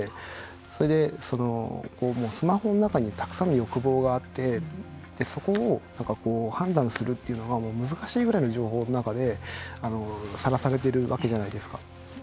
それでスマホの中にたくさんの欲望があってそこを判断するというのが難しいぐらいの情報の中でさらされているわけじゃないですか。